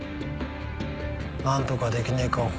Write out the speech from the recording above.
なんとかできねえか方々